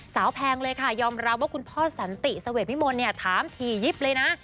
แพงเลยค่ะยอมรับว่าคุณพ่อสันติเสวดวิมลเนี่ยถามถี่ยิบเลยนะ